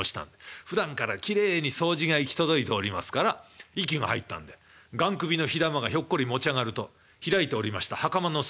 普段からきれいに掃除が行き届いておりますから息が入ったんでがん首の火玉がひょっこり持ち上がると開いておりました袴の裾へ。